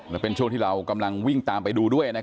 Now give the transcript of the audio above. แล้วเป็นช่วงที่เรากำลังวิ่งตามไปดูด้วย